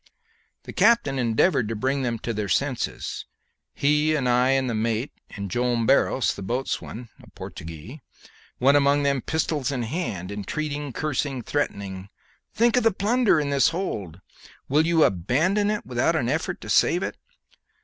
The captain endeavoured to bring them to their senses; he and I and the mate, and Joam Barros, the boatswain a Portuguese went among them pistols in hand, entreating, cursing, threatening. 'Think of the plunder in this hold! Will you abandon it without an effort to save it?